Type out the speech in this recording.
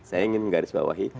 saya ingin menggarisbawahi